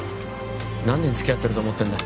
何年つきあってると思ってんだ